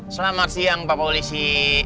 selamat siang pak polisi